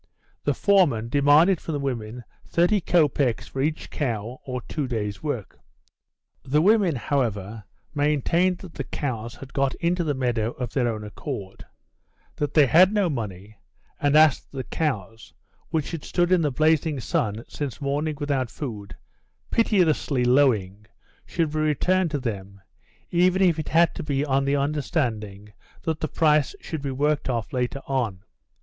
The foreman demanded from the women 30 copecks for each cow or two days' work. The women, however, maintained that the cows had got into the meadow of their own accord; that they had no money, and asked that the cows, which had stood in the blazing sun since morning without food, piteously lowing, should be returned to them, even if it had to be on the understanding that the price should be worked off later on.